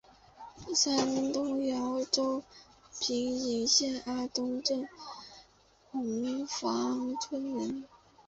山东兖州平阴县东阿镇洪范村人。